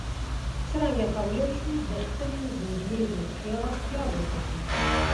څرنګه کولی شو د خپلې ذهني روغتیا خیال وساتو